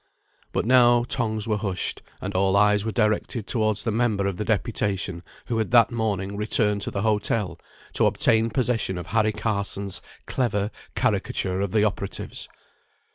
But now tongues were hushed, and all eyes were directed towards the member of the deputation who had that morning returned to the hotel to obtain possession of Harry Carson's clever caricature of the operatives.